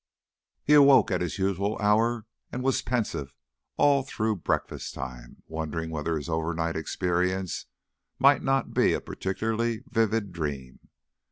He awoke at his usual hour and was pensive all through breakfast time, wondering whether his overnight experience might not be a particularly vivid dream.